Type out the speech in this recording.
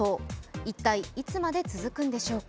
一体いつまで続くんでしょうか。